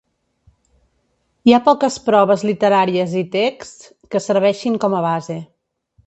Hi ha poques proves literàries i texts que serveixin com a base.